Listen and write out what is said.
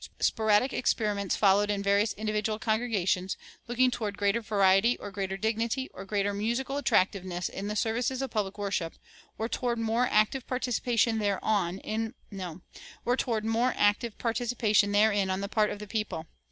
Sporadic experiments followed in various individual congregations, looking toward greater variety or greater dignity or greater musical attractiveness in the services of public worship, or toward more active participation therein on the part of the people.